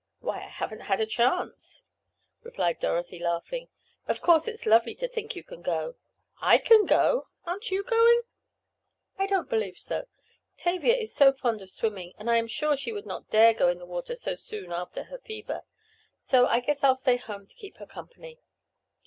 "Why I haven't had a chance," replied Dorothy laughing. "Of course it is lovely to think you can go." "I can go! Aren't you going?" "I don't believe so. Tavia is so fond of swimming, and I am sure she would not dare go in the water so soon after her fever. So I guess I'll stay home to keep her company."